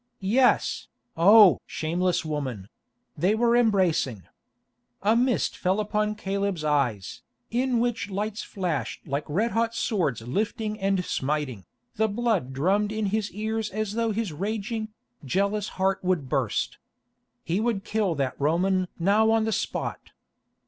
Yes, oh! shameless woman—they were embracing. A mist fell upon Caleb's eyes, in which lights flashed like red hot swords lifting and smiting, the blood drummed in his ears as though his raging, jealous heart would burst. He would kill that Roman now on the spot.